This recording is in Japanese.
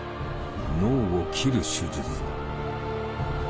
脳を切る手術だ。